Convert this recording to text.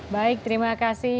baik terima kasih